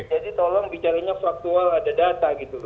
jadi tolong bicaranya faktual ada data gitu